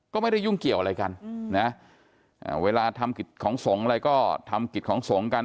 ก็ไม่ได้ยุ่งเกี่ยวอะไรกันนะเวลาทำกิจของสงฆ์อะไรก็ทำกิจของสงฆ์กัน